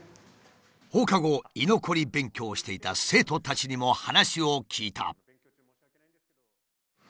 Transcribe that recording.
放課後居残り勉強をしていた生徒たちにも話を聞いた。